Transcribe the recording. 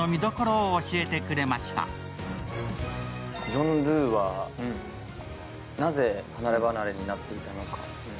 ジョン・ドゥはなぜ離れ離れになっていたのか。